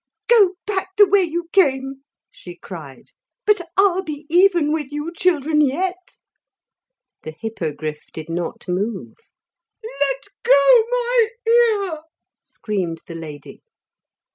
'Go back the way you came,' she cried; 'but I'll be even with you children yet.' The Hippogriff did not move. 'Let go my ear,' screamed the lady.